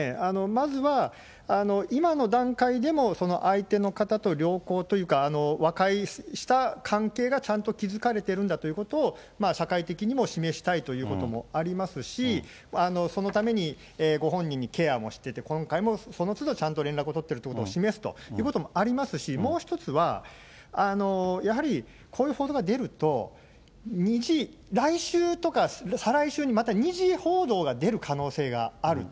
まずは今の段階でもその相手の方と良好というか、和解した関係がちゃんと築かれているんだということを、社会的にも示したいということもありますし、そのために、ご本人にケアもしてて、今回もそのつどちゃんと連絡を取ってるということを示すということもありますし、もう一つは、やはりこういう報道が出ると、来週とか再来週に、また２次報道が出る可能性がある。